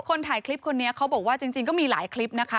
คนถ่ายคลิปคนนี้เขาบอกว่าจริงก็มีหลายคลิปนะคะ